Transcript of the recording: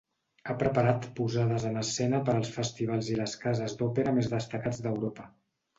Ha preparat posades en escena per als festivals i les cases d'òpera més destacats d'Europa.